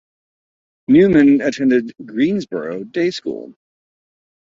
Newman attended Greensboro Day School.